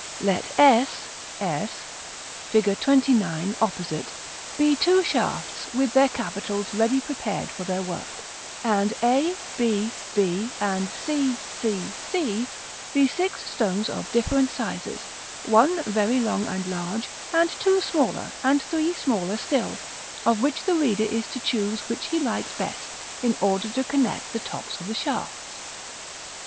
Let s, s, Fig. XXIX. opposite, be two shafts, with their capitals ready prepared for their work; and a, b, b, and c, c, c, be six stones of different sizes, one very long and large, and two smaller, and three smaller still, of which the reader is to choose which he likes best, in order to connect the tops of the shafts.